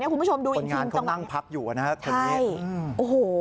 คนงานเขานั่งพักอยู่นะครับ